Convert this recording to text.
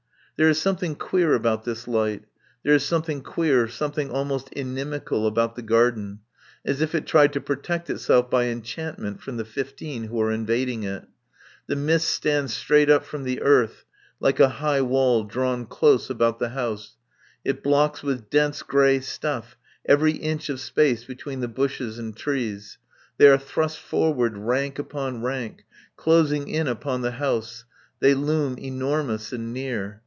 There is something queer about this light. There is something queer, something almost inimical, about the garden, as if it tried to protect itself by enchantment from the fifteen who are invading it. The mist stands straight up from the earth like a high wall drawn close about the house; it blocks with dense grey stuff every inch of space between the bushes and trees; they are thrust forward rank upon rank, closing in upon the house; they loom enormous and near.